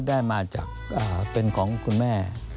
ได้มาจากเป็นของคุณแม่